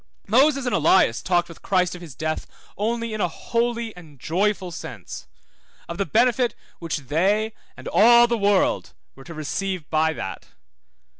Moses and Elias talked with Christ of his death only in a holy and joyful sense, of the benefit which they and all the world were to receive by that.